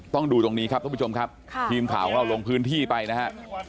ต้องดูตรงนี้ครับท่านผู้ชมครับทีมข่าวของเราลงพื้นที่ไปนะฮะ